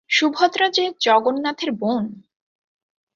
সুভদ্রা যে জগন্নাথের বোন!